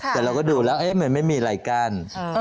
แต่เราก็ดูแล้วมันไม่มีอะไรกั้น